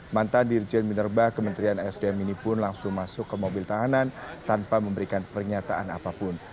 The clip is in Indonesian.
mantan dirjen minerba kementerian sdm ini pun langsung masuk ke mobil tahanan tanpa memberikan pernyataan apapun